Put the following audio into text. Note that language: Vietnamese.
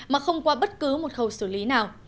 mà không qua bất cứ một khâu xử lý nào